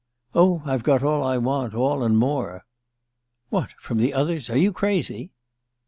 "Oh, I've got all I want all and more!" "What from the others? Are you crazy?"